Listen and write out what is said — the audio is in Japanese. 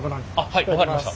はい分かりました。